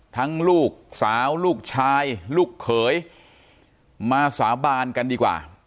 ทั้งลูกสาวลูกชายลูกเขยมาสาบานกันดีกว่า